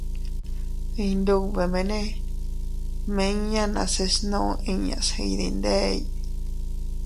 Iyndubemene miñan nase snuu inñas iydindey.